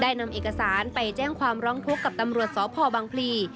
นำเอกสารไปแจ้งความร้องทุกข์กับตำรวจสพบังพลี